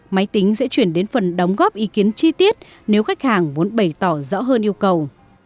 máy tính sẽ chuyển đến phần đóng góp ý kiến chi tiết nếu khách hàng muốn bày tỏ rõ hơn yêu cầu